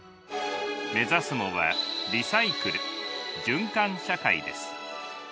目指すのはリサイクル「循環社会」です。